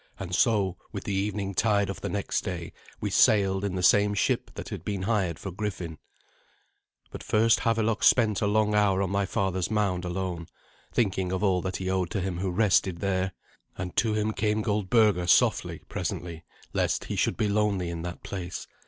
And so, with the evening tide of the next day, we sailed in the same ship that had been hired for Griffin. But first Havelok spent a long hour on my father's mound alone, thinking of all that he owed to him who rested there. And to him came Goldberga softly, presently, lest he should be lonely in that place.